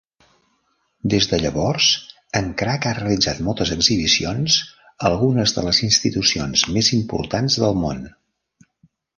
Des de llavors, en Cragg ha realitzat moltes exhibicions a algunes de les institucions més importants del món.